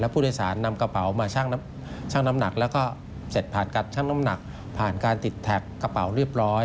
พฤษศาสนนำกระเป๋ามาช่างน้ำหนักและผ่านช่างน้ำหนักผ่านการติดแทบกระเป๋าเรียบร้อย